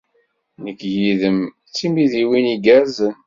Nekk yid-m d timidiwin igerrzen.